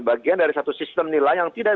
bagian dari satu sistem nilai yang tidak